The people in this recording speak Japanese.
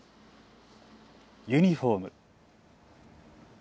ユニホーム。